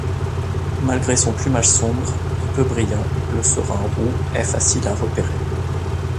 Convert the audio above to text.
Malgré son plumage sombre et peu brillant, le serin roux est facile à repérer.